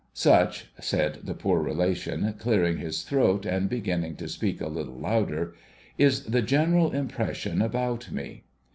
Such (said the poor relation, clearing his throat and beginning to speak a little louder) is the general impression about me.